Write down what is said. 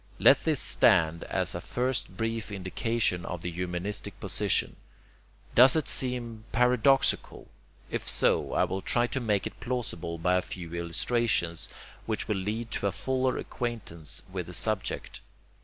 Let this stand as a first brief indication of the humanistic position. Does it seem paradoxical? If so, I will try to make it plausible by a few illustrations, which will lead to a fuller acquaintance with the subject.